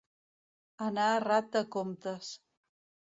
Anar errat de comptes.